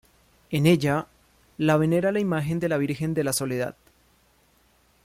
En ella la venera la imagen de la virgen de la Soledad.